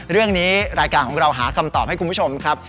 รายการของเราหาคำตอบให้คุณผู้ชมครับ